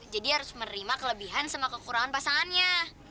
jadi harus menerima kelebihan sama kekurangan pasangannya